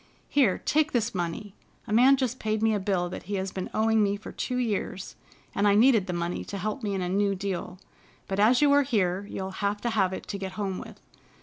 Here, take this money. A man just paid me a bill that he has been owing me for two years, and I needed the money to help me in a new deal, but as you are here you'll have to have it to get home with.